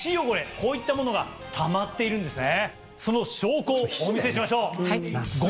こういったものがたまっているんですね。